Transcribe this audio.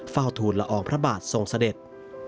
เฝ้าธูลละอองพระบาททศงสเด็จ